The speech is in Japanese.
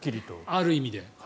ある意味で。